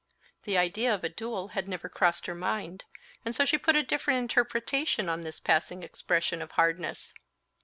The idea of a duel had never crossed her mind, and so she put a different interpretation on this passing expression of hardness.